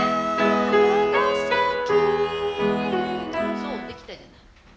そうできたじゃない。